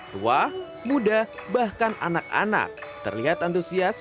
tua muda bahkan anak anak terlihat antusias